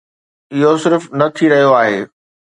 اهو صرف نه ٿي رهيو آهي.